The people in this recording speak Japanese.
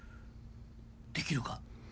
できるか？